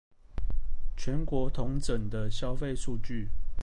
全國統整的消費數據